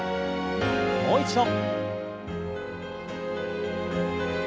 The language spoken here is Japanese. もう一度。